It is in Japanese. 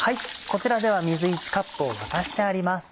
こちらでは水１カップを沸かしてあります。